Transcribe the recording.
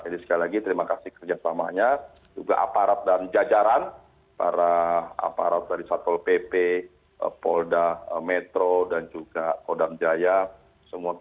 jadi sekali lagi terima kasih kerja selamanya